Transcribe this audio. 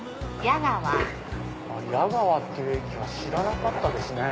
矢川っていう駅は知らなかったですね。